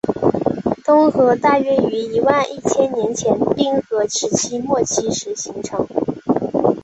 东河大约于一万一千年前冰河时期末期时形成。